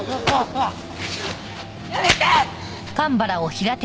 やめて！